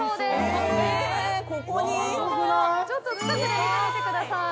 ここに⁉近くで見てみてください。